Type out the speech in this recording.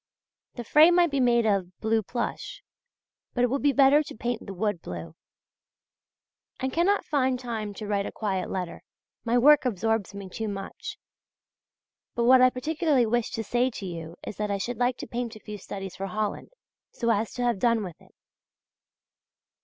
The frame might be made of blue plush; but it would be better to paint the wood blue.... I cannot find time to write a quiet letter; my work absorbs me too much. But what I particularly wished to say to you is that I should like to paint a few studies for Holland, so as to have done with it.